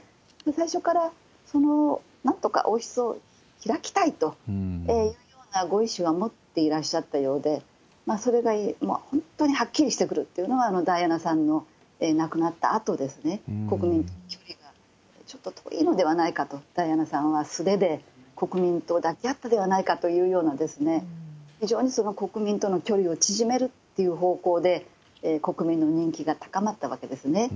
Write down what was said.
最初から、なんとか王室を開きたいというようなご意思を持っていらっしゃったようで、それが本当にはっきりしてくるというのが、ダイアナさんの亡くなったあと、国民との距離がちょっと遠いのではないかと、ダイアナさんは素手で国民と抱き合ったではないかというような、非常にその国民との距離を縮めるっていう方向で、国民の人気が高まったわけですね。